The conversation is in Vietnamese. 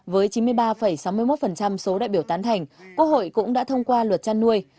với chín mươi ba sáu mươi một số đại biểu tán thành quốc hội cũng đã thông qua luật chăn nuôi